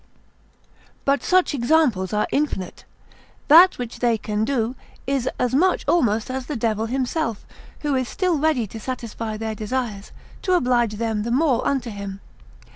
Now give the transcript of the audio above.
But such examples are infinite. That which they can do, is as much almost as the devil himself, who is still ready to satisfy their desires, to oblige them the more unto him.